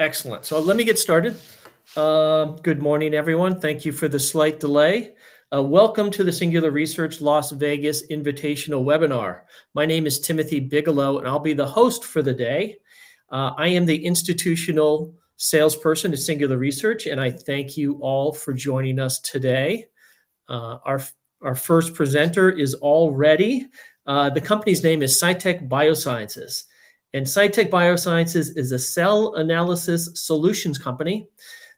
Excellent. Let me get started. Good morning, everyone. Thank you for the slight delay. Welcome to the Singular Research Las Vegas Invitational Webinar. My name is Timothy Bigelow, and I'll be the host for the day. I am the institutional salesperson at Singular Research, and I thank you all for joining us today. Our first presenter is all ready. The company's name is Cytek Biosciences. Cytek Biosciences is a cell analysis solutions company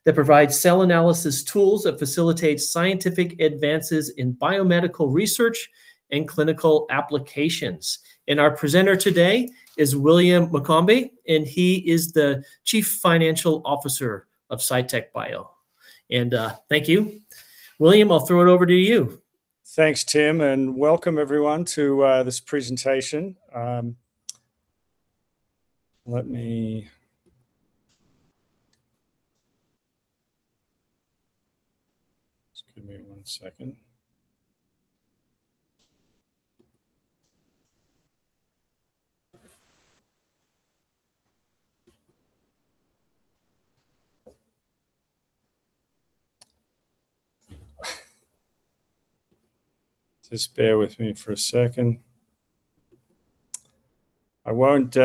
that provides cell analysis tools that facilitate scientific advances in biomedical research and clinical applications. Our presenter today is William McCombe, and he is the Chief Financial Officer of Cytek Bio. Thank you. William, I'll throw it over to you. Thanks, Tim. Welcome everyone to this presentation. Just give me one second. Just bear with me for a second. I won't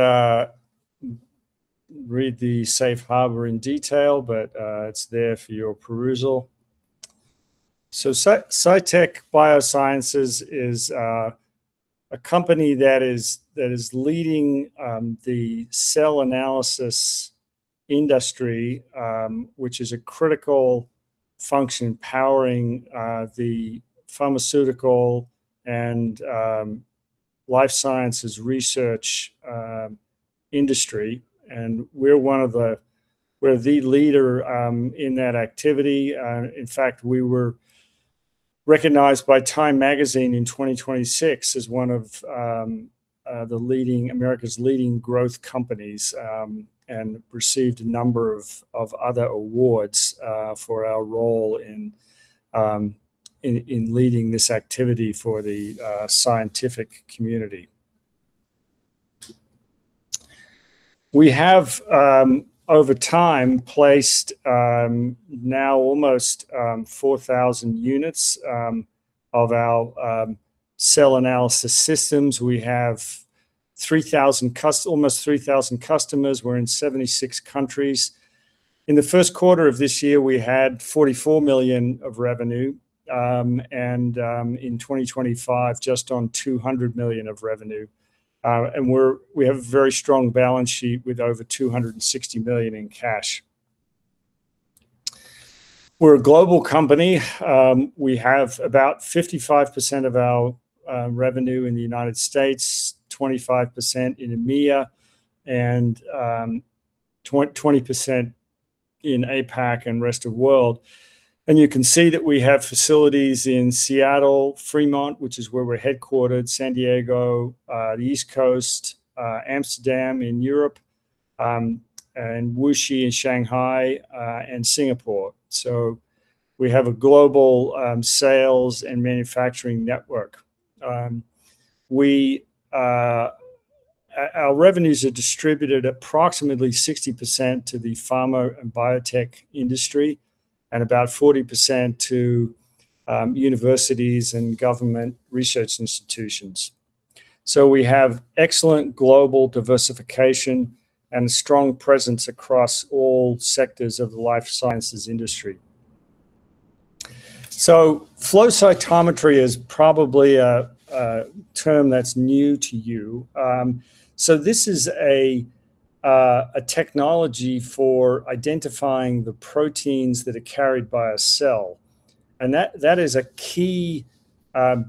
read the safe harbor in detail, but it's there for your perusal. Cytek Biosciences is a company that is leading the cell analysis industry, which is a critical function powering the pharmaceutical and life sciences research industry. We're the leader in that activity. In fact, we were recognized by Time Magazine in 2026 as one of America's leading growth companies, and received a number of other awards for our role in leading this activity for the scientific community. We have, over time, placed now almost 4,000 units of our cell analysis systems. We have almost 3,000 customers. We're in 76 countries. In the first quarter of this year, we had $44 million of revenue. In 2025, just on $200 million of revenue. We have a very strong balance sheet with over $260 million in cash. We're a global company. We have about 55% of our revenue in the United States, 25% in EMEA, and 20% in APAC and rest of world. You can see that we have facilities in Seattle, Fremont, which is where we're headquartered, San Diego, the East Coast, Amsterdam in Europe, and Wuxi in Shanghai, and Singapore. We have a global sales and manufacturing network. Our revenues are distributed approximately 60% to the pharma and biotech industry and about 40% to universities and government research institutions. We have excellent global diversification and strong presence across all sectors of the life sciences industry. Flow cytometry is probably a term that's new to you. This is a technology for identifying the proteins that are carried by a cell, and that is a key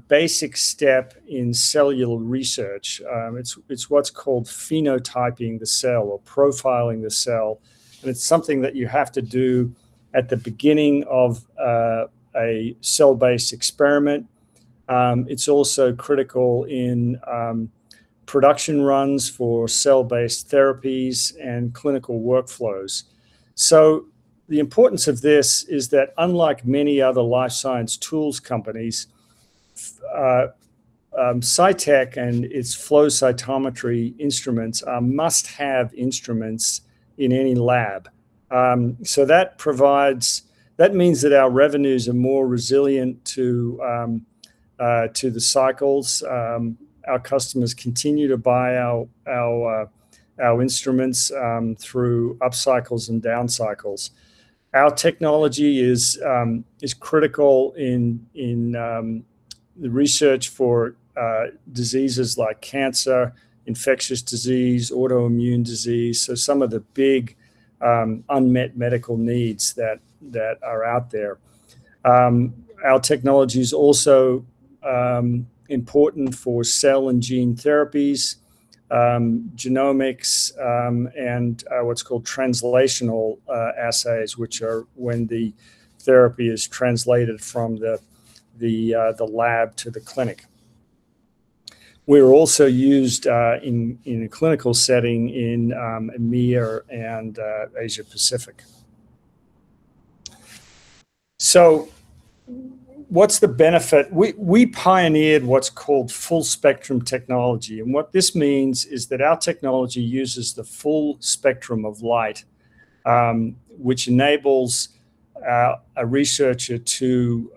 basic step in cellular research. It's what's called phenotyping the cell or profiling the cell, and it's something that you have to do at the beginning of a cell-based experiment. It's also critical in production runs for cell-based therapies and clinical workflows. The importance of this is that unlike many other life science tools companies, Cytek and its flow cytometry instruments are must-have instruments in any lab. That means that our revenues are more resilient to the cycles. Our customers continue to buy our instruments through up cycles and down cycles. Our technology is critical in the research for diseases like cancer, infectious disease, autoimmune disease, so some of the big unmet medical needs that are out there. Our technology's also important for cell and gene therapies, genomics, and what's called translational assays, which are when the therapy is translated from the lab to the clinic. We're also used in a clinical setting in EMEA and Asia Pacific. What's the benefit? We pioneered what's called Full Spectrum technology, and what this means is that our technology uses the full spectrum of light, which enables a researcher to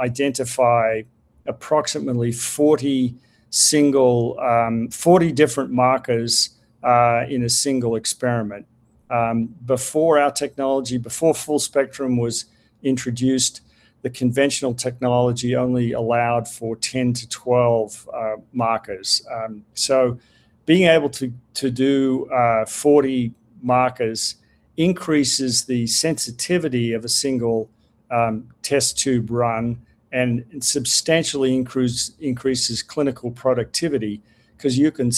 identify approximately 40 different markers in a single experiment. Before our technology, before Full Spectrum was introduced, the conventional technology only allowed for 10-12 markers. Being able to do 40 markers increases the sensitivity of a single test tube run, and substantially increases clinical productivity, because you can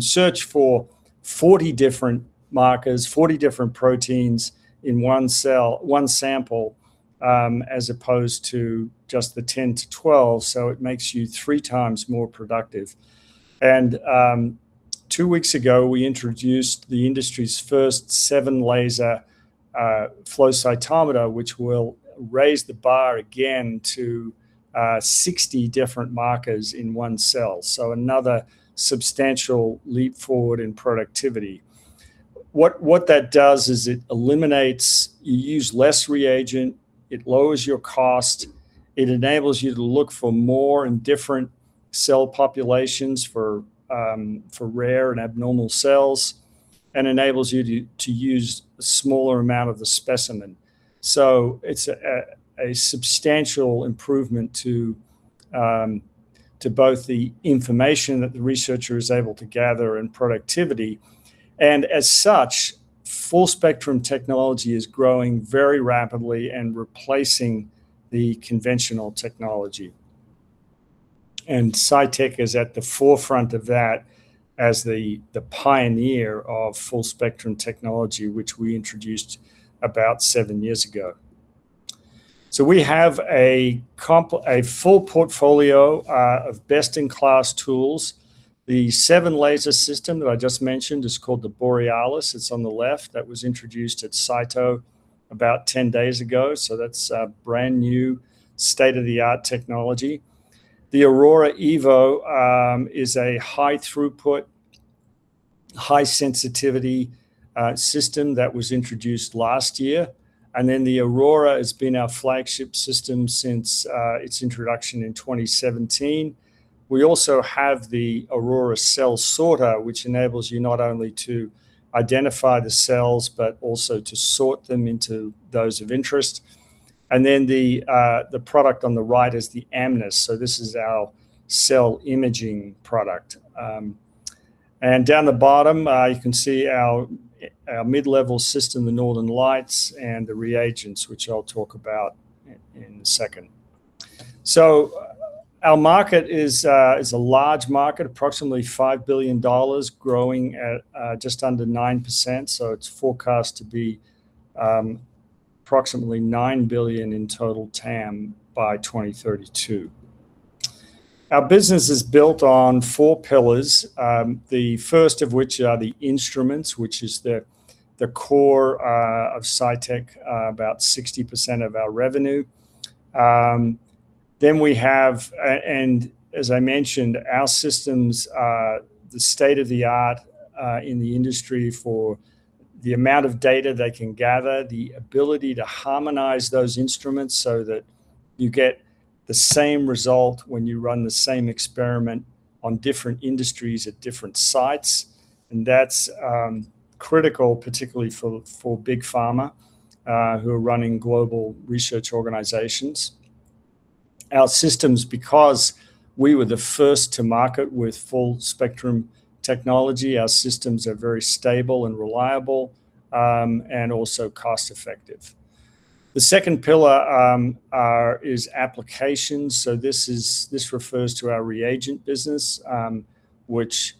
search for 40 different markers, 40 different proteins in one sample, as opposed to just the 10-12. It makes you 3x more productive. Two weeks ago, we introduced the industry's first seven-laser flow cytometer, which will raise the bar again to 60 different markers in one cell. Another substantial leap forward in productivity. What that does is you use less reagent, it lowers your cost, it enables you to look for more and different cell populations for rare and abnormal cells, and enables you to use a smaller amount of the specimen. It's a substantial improvement to both the information that the researcher is able to gather and productivity. As such, Full Spectrum technology is growing very rapidly and replacing the conventional technology. Cytek is at the forefront of that as the pioneer of Full Spectrum technology, which we introduced about seven years ago. We have a full portfolio of best-in-class tools. The seven-laser system that I just mentioned is called the Borealis, it's on the left. That was introduced at CYTO about 10 days ago, that's brand new state-of-the-art technology. The Aurora Evo is a high throughput, high sensitivity system that was introduced last year, the Aurora has been our flagship system since its introduction in 2017. We also have the Aurora cell sorter, which enables you not only to identify the cells, but also to sort them into those of interest. The product on the right is the Amnis. This is our cell imaging product. Down the bottom, you can see our mid-level system, the Northern Lights, and the reagents, which I'll talk about in a second. Our market is a large market, approximately $5 billion, growing at just under 9%, it's forecast to be approximately $9 billion in total TAM by 2032. Our business is built on four pillars, the first of which are the instruments, which is the core of Cytek, about 60% of our revenue. As I mentioned, our systems are the state of the art in the industry for the amount of data they can gather, the ability to harmonize those instruments so that you get the same result when you run the same experiment on different industries at different sites, and that's critical, particularly for Big Pharma, who are running global research organizations. Our systems, because we were the first to market with Full Spectrum technology, our systems are very stable and reliable, and also cost-effective. The second pillar is applications. This refers to our reagent business, which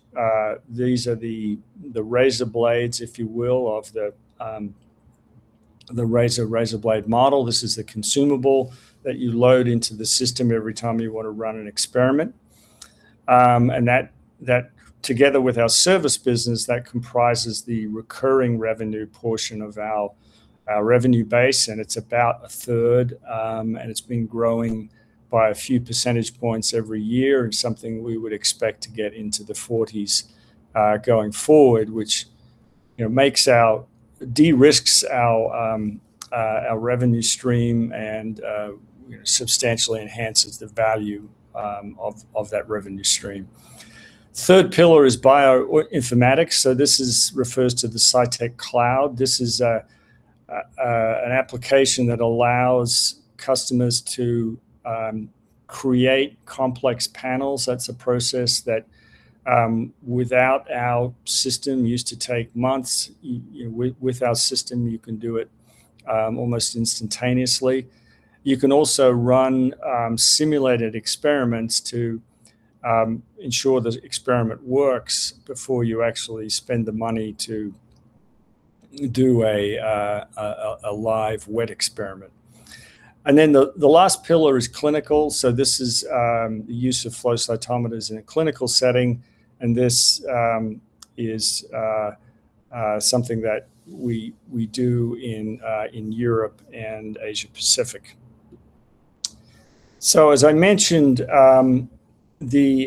these are the razor blades, if you will, of the razor blade model. This is the consumable that you load into the system every time you want to run an experiment. That, together with our service business, that comprises the recurring revenue portion of our revenue base, and it's about a third, and it's been growing by a few percentage points every year, and something we would expect to get into the 40s going forward, which de-risks our revenue stream and substantially enhances the value of that revenue stream. Third pillar is bioinformatics. This refers to the Cytek Cloud. This is an application that allows customers to create complex panels. That's a process that, without our system, used to take months. With our system, you can do it almost instantaneously. You can also run simulated experiments to ensure the experiment works before you actually spend the money to do a live wet experiment. The last pillar is clinical. This is the use of flow cytometers in a clinical setting, and this is something that we do in Europe and Asia Pacific. As I mentioned, we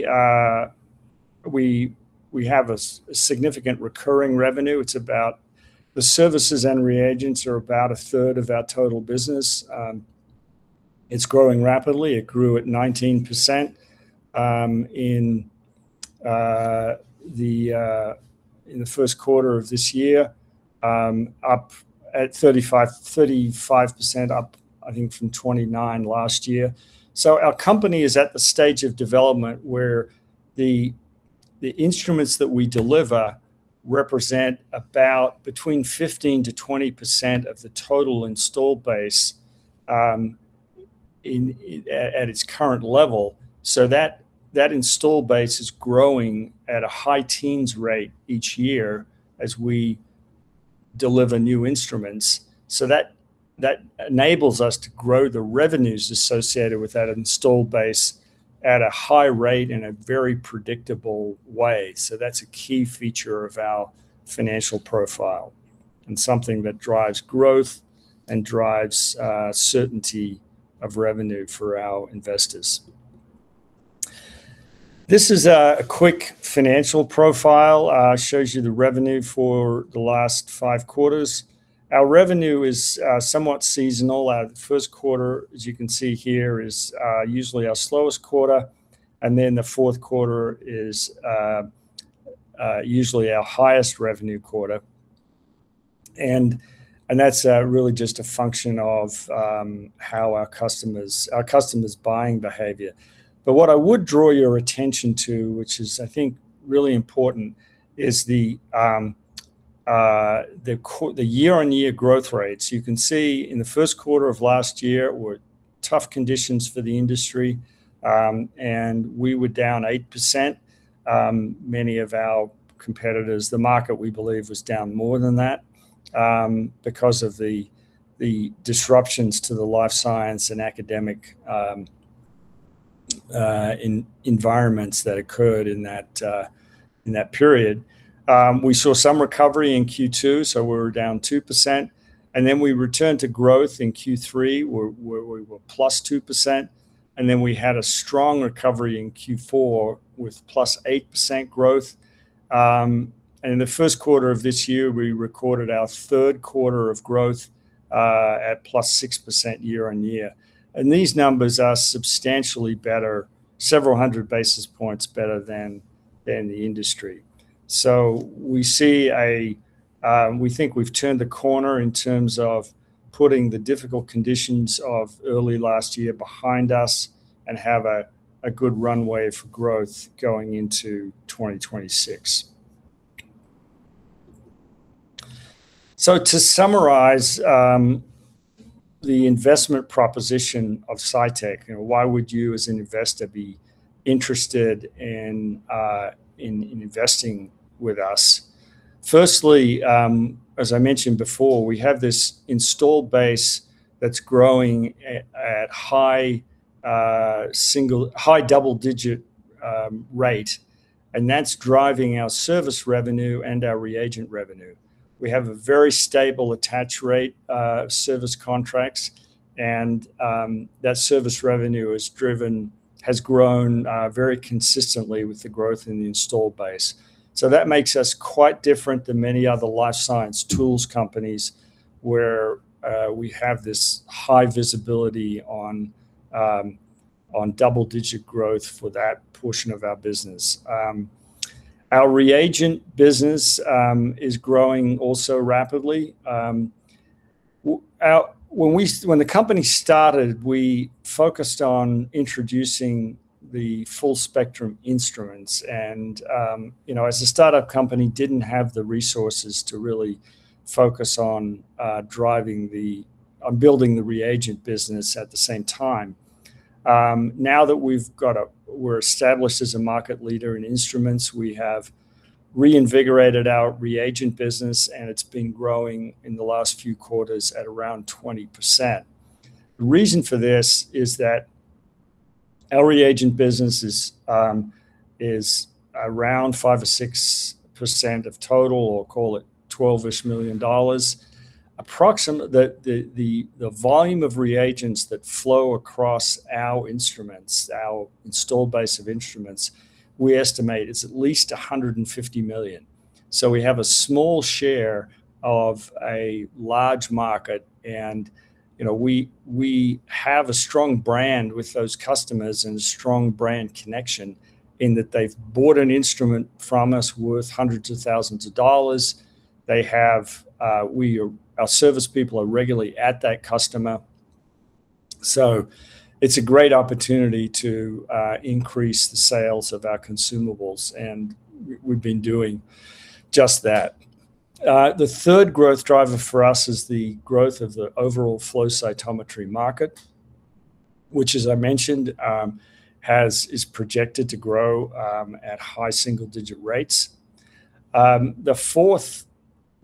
have a significant recurring revenue. The services and reagents are about a third of our total business. It's growing rapidly. It grew at 19% in the first quarter of this year, up at 35%, I think, from 29 last year. Our company is at the stage of development where the instruments that we deliver represent about between 15%-20% of the total installed base at its current level. That installed base is growing at a high teens rate each year as we deliver new instruments. That enables us to grow the revenues associated with that installed base at a high rate in a very predictable way. That's a key feature of our financial profile and something that drives growth and drives certainty of revenue for our investors. This is a quick financial profile, shows you the revenue for the last five quarters. Our revenue is somewhat seasonal. Our first quarter, as you can see here, is usually our slowest quarter, the fourth quarter is usually our highest revenue quarter, and that's really just a function of our customers' buying behavior. What I would draw your attention to, which is, I think, really important, is the year-on-year growth rates. You can see in the first quarter of last year were tough conditions for the industry, and we were down 8%. Many of our competitors, the market, we believe, was down more than that because of the disruptions to the life science and academic environments that occurred in that period. We saw some recovery in Q2, we were down 2%, we returned to growth in Q3, where we were +2%, we had a strong recovery in Q4 with +8% growth. In the first quarter of this year, we recorded our third quarter of growth at +6% year-on-year. These numbers are substantially better, several hundred basis points better than the industry. We think we've turned the corner in terms of putting the difficult conditions of early last year behind us and have a good runway for growth going into 2026. To summarize the investment proposition of Cytek, why would you as an investor be interested in investing with us? Firstly, as I mentioned before, we have this installed base that's growing at high double-digit rate, and that's driving our service revenue and our reagent revenue. We have a very stable attach rate of service contracts, and that service revenue has grown very consistently with the growth in the installed base. That makes us quite different than many other life science tools companies, where we have this high visibility on double-digit growth for that portion of our business. Our reagent business is growing also rapidly. When the company started, we focused on introducing the Full Spectrum instruments, and as a startup company, didn't have the resources to really focus on building the reagent business at the same time. Now that we're established as a market leader in instruments, we have reinvigorated our reagent business, and it's been growing in the last few quarters at around 20%. The reason for this is that our reagent business is around 5% or 6% of total, or call it $12-ish million. Approximately the volume of reagents that flow across our instruments, our installed base of instruments, we estimate is at least $150 million. We have a small share of a large market, and we have a strong brand with those customers and a strong brand connection in that they've bought an instrument from us worth hundreds of thousands of dollars. Our service people are regularly at that customer. It's a great opportunity to increase the sales of our consumables, and we've been doing just that. The third growth driver for us is the growth of the overall flow cytometry market. Which, as I mentioned, is projected to grow at high single-digit rates. The fourth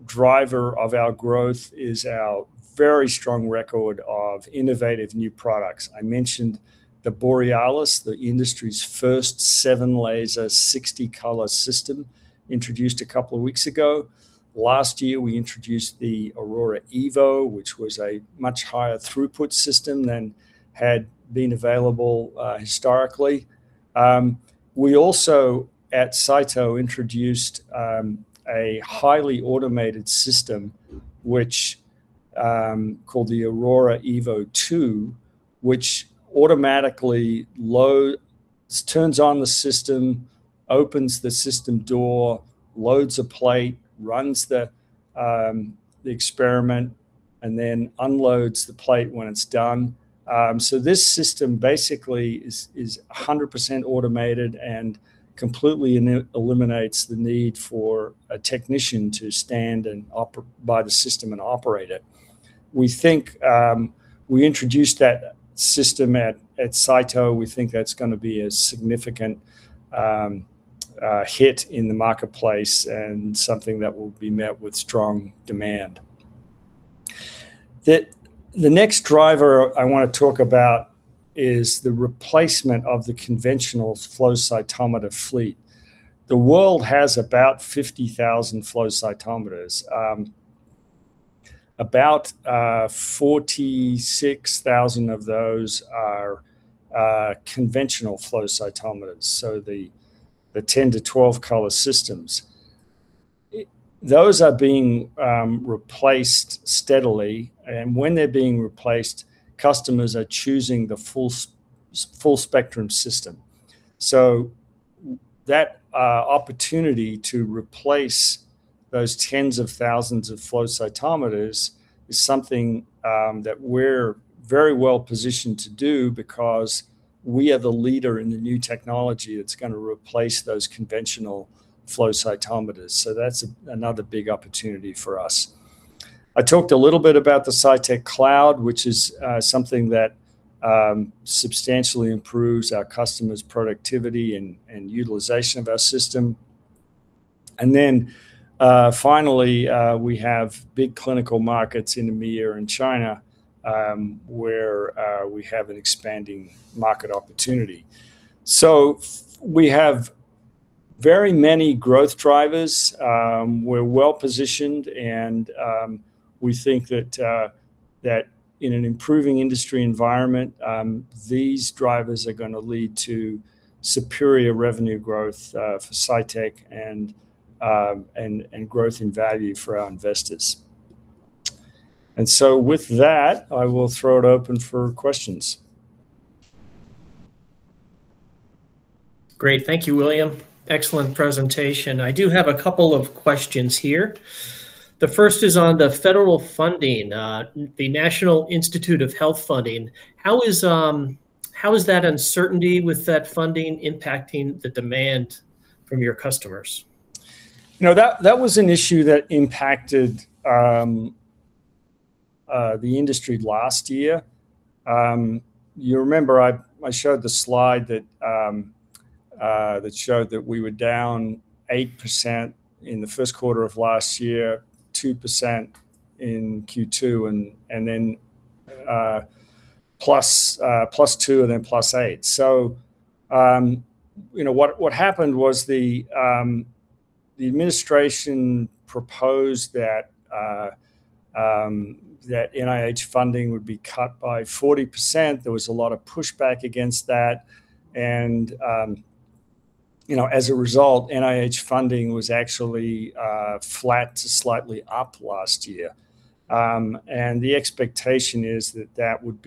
driver of our growth is our very strong record of innovative new products. I mentioned the Borealis, the industry's first seven laser, 60-color system, introduced a couple of weeks ago. Last year, we introduced the Aurora Evo, which was a much higher throughput system than had been available historically. We also, at CYTO, introduced a highly automated system, called the Aurora Evo2, which automatically turns on the system, opens the system door, loads a plate, runs the experiment, and then unloads the plate when it's done. This system basically is 100% automated and completely eliminates the need for a technician to stand by the system and operate it. We introduced that system at CYTO. We think that's going to be a significant hit in the marketplace and something that will be met with strong demand. The next driver I want to talk about is the replacement of the conventional flow cytometer fleet. The world has about 50,000 flow cytometers. About 46,000 of those are conventional flow cytometers, so the 10-12 color systems. Those are being replaced steadily, and when they're being replaced, customers are choosing the Full Spectrum system. That opportunity to replace those tens of thousands of flow cytometers is something that we're very well positioned to do because we are the leader in the new technology that's going to replace those conventional flow cytometers. That's another big opportunity for us. I talked a little bit about the Cytek Cloud, which is something that substantially improves our customers' productivity and utilization of our system. Then, finally, we have big clinical markets in EMEA and China, where we have an expanding market opportunity. We have very many growth drivers. We're well-positioned, we think that in an improving industry environment, these drivers are going to lead to superior revenue growth for Cytek and growth in value for our investors. With that, I will throw it open for questions. Great. Thank you, William. Excellent presentation. I do have a couple of questions here. The first is on the federal funding, the National Institutes of Health funding. How is that uncertainty with that funding impacting the demand from your customers? That was an issue that impacted the industry last year. You remember, I showed the slide that showed that we were down 8% in the first quarter of last year, 2% in Q2, then +2% and then +8%. What happened was the administration proposed that NIH funding would be cut by 40%. There was a lot of pushback against that, as a result, NIH funding was actually flat to slightly up last year. The expectation is that we'll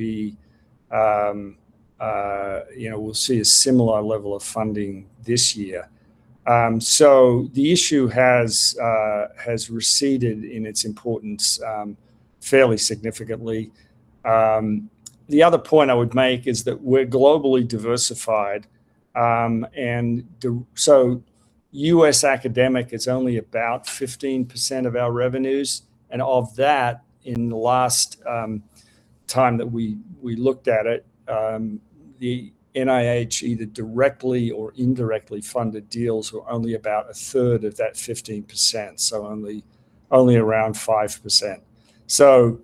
see a similar level of funding this year. The issue has receded in its importance fairly significantly. The other point I would make is that we're globally diversified. U.S. academic is only about 15% of our revenues, of that, in the last time that we looked at it, the NIH either directly or indirectly funded deals were only about a third of that 15%, so only around 5%. It's a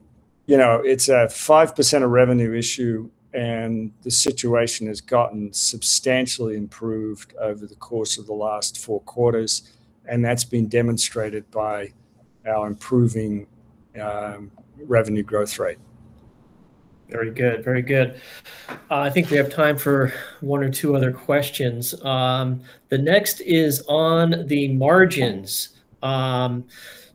5% of revenue issue, the situation has gotten substantially improved over the course of the last four quarters, that's been demonstrated by our improving revenue growth rate. Very good. I think we have time for one or two other questions. The next is on the margins. It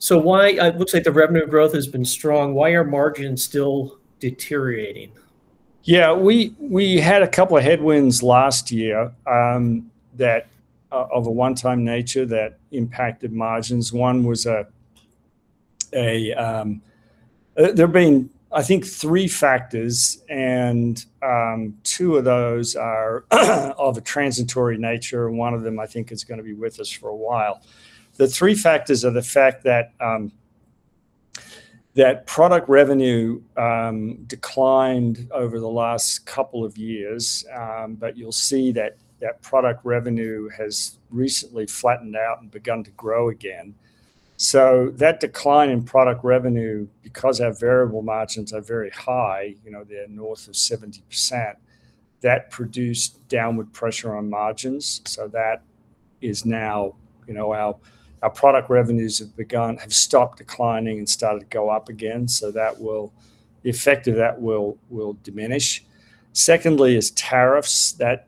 looks like the revenue growth has been strong. Why are margins still deteriorating? Yeah. We had a couple of headwinds last year of a one-time nature that impacted margins. There have been, I think, three factors, and two of those are of a transitory nature, and one of them, I think, is going to be with us for a while. The three factors are the fact that product revenue declined over the last couple of years, you'll see that that product revenue has recently flattened out and begun to grow again. That decline in product revenue, because our variable margins are very high, they're north of 70%, that produced downward pressure on margins. Secondly is tariffs that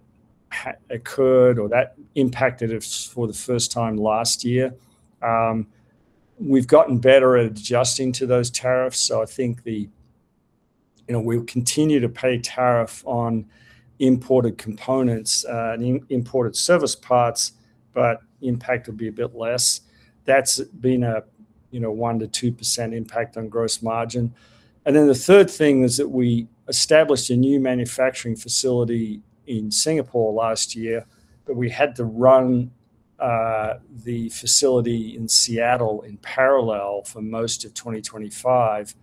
occurred or that impacted us for the first time last year. We've gotten better at adjusting to those tariffs, I think we'll continue to pay tariff on imported components and imported service parts, impact will be a bit less. That's been a one to 2% impact on gross margin. The third thing is that we established a new manufacturing facility in Singapore last year, we had to run the facility in Seattle in parallel for most of 2025.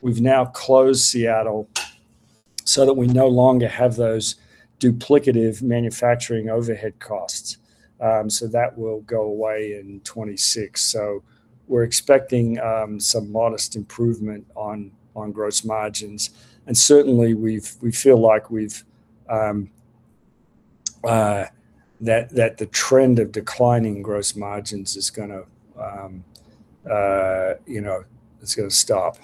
We've now closed Seattle we no longer have those duplicative manufacturing overhead costs. That will go away in 2026. We're expecting some modest improvement on gross margins, certainly we feel like the trend of declining gross margins is going to stop.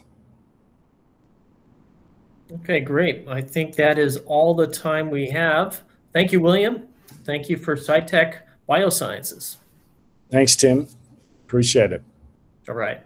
Okay, great. I think that is all the time we have. Thank you, William. Thank you for Cytek Biosciences. Thanks, Tim. Appreciate it. All right.